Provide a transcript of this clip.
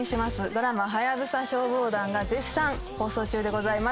ドラマ『ハヤブサ消防団』が絶賛放送中でございます。